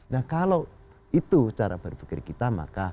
nah kalau itu cara berpikir kita maka